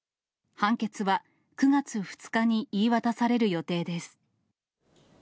判決は９月２日に言い渡される予定です。